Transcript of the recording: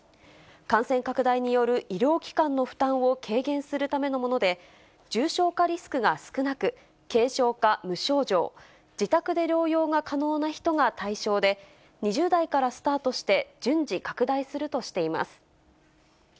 感染拡大による医療機関の負担を軽減するためのもので、重症化リスクが少なく、軽症か無症状、自宅で療養が可能な人が対象で、２０代からスタートして、順次、拡大するとしています。